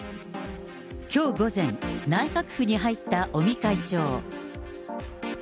きょう午前、内閣府に入った尾身会長。